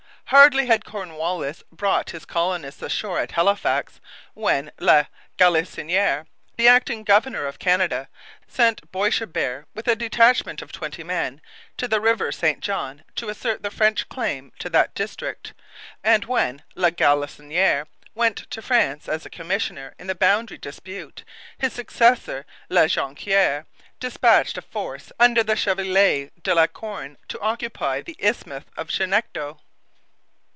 Hardly had Cornwallis brought his colonists ashore at Halifax, when La Galissoniere, the acting governor of Canada, sent Boishebert, with a detachment of twenty men, to the river St John, to assert the French claim to that district; and when La Galissoniere went to France as a commissioner in the boundary dispute, his successor, La Jonquiere, dispatched a force under the Chevalier de la Corne to occupy the isthmus of Chignecto.